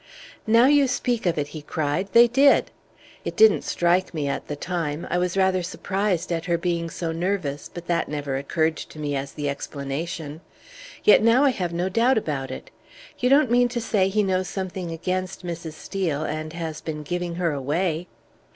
"Now you speak of it," he cried, "they did! It didn't strike me at the time. I was rather surprised at her being so nervous, but that never occurred to me as the explanation. Yet now I have no doubt about it. You don't mean to say he knows something against Mrs. Steel, and has been giving her away?"